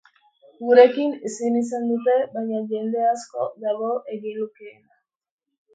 Gurekin ezin izan dute, baina jende asko dago egingo lukeena.